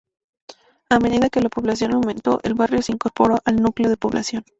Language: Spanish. A medida que la población aumentó el barrio se incorporó al núcleo de población.